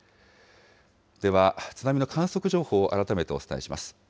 では津波の観測情報を改めてお伝えします。